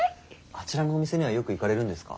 あちらのお店にはよく行かれるんですか？